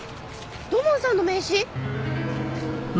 土門さんの名刺！？